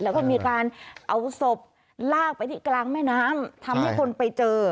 แล้วก็มีการเอาศพลากไปที่กลางแม่น้ำทำให้คนไปเจอ